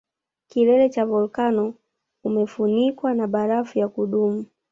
Kilele cha volkano umefunikwa na barafu ya kudumu